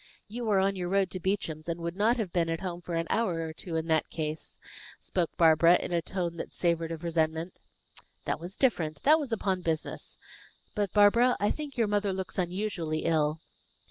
"You were on your road to Beauchamp's, and would not have been at home for an hour or two in that case," spoke Barbara, in a tone that savored of resentment. "That was different; that was upon business. But, Barbara, I think your mother looks unusually ill."